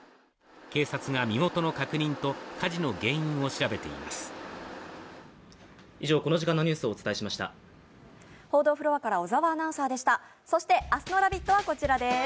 警察が身元の確認と火事の原因を調べています。